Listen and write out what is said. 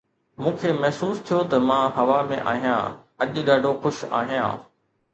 مون کي محسوس ٿيو ته مان هوا ۾ آهيان، اڄ ڏاڍو خوش آهيان